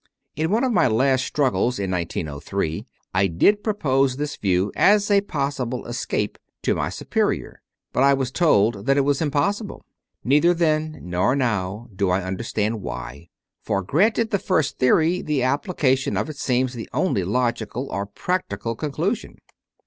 In one of my last struggles in 1903 I did propose this view, as a possible escape, to my Superior; but I was told that it was impossible. Neither then nor now do I understand why; for, granted the first theory, the application of it seems the only logical or practical conclusion.